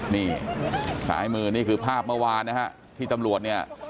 นี่ซ้ายมือนี่คือภาพเมื่อวานนะฮะที่ตำรวจเนี่ย